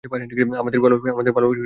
আমাদের ভালবাসা মূল্যহীন।